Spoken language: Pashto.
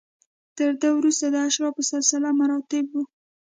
تر ده وروسته د اشرافو سلسله مراتب و.